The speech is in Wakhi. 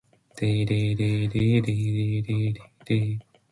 Yow Tojikistoner Rek̃htu